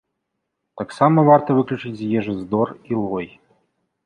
Таксама варта выключыць з ежы здор і лой.